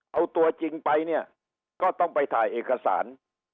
เอาตัวจริงไปเนี่ยก็ต้องไปถ่ายเอกสาร